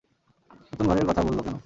নতুন ঘরের কথা বললো কেনো?